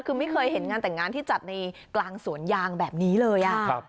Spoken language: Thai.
คือไม่เคยเห็นงานแต่งงานที่จัดในกลางสวนยางแบบนี้เลย